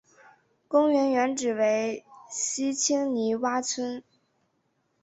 公园原址为西青泥洼村。